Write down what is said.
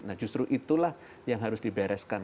nah justru itulah yang harus dibereskan